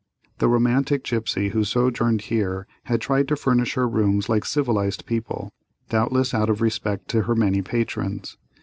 The romantic gipsy who sojourned here had tried to furnish her rooms like civilized people, doubtless out of respect to her many patrons.